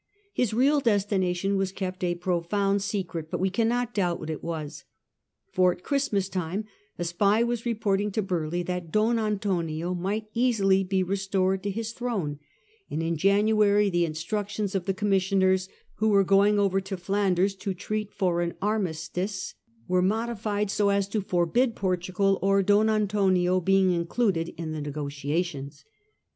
His real destination was kept a profound secret, but we cannot doubt what it was. For at Christmas time a spy was reporting to Burleigh that Don Antonio might easily be restored to his throne; and in January the instructions of the commissioners, who were going over to Flanders to treat for an armistice, were modified so as to forbid Portugal or Don Antonio being included in the negotiations.